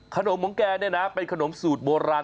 ของแกเนี่ยนะเป็นขนมสูตรโบราณ